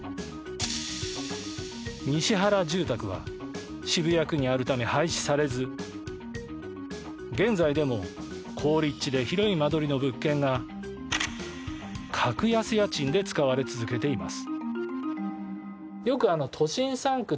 西原住宅は渋谷区にあるため廃止されず現在でも好立地で広い間取りの物件が格安家賃で使われ続けています。